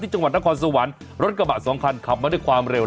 จังหวัดนครสวรรค์รถกระบะสองคันขับมาด้วยความเร็ว